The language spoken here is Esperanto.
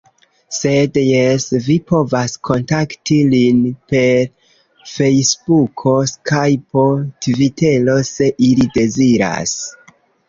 Sed, jes vi povas kontakti lin per fejsbuko, skajpo, tvitero se ili deziras.